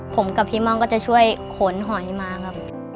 ผมกับพี่ม่องก็จะช่วยขนหอยมาครับ